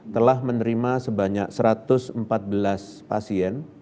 telah menerima sebanyak satu ratus empat belas pasien